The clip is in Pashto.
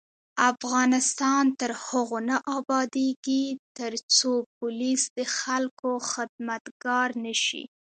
افغانستان تر هغو نه ابادیږي، ترڅو پولیس د خلکو خدمتګار نشي.